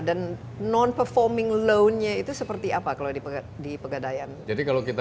dan non performing loan nya itu seperti apa kalau di pegadaian